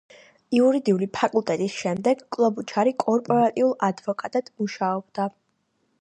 იურიდიული ფაკულტეტის შემდეგ, კლობუჩარი კორპორატიულ ადვოკატად მუშაობდა.